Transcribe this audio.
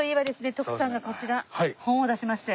徳さんがこちら本を出しまして。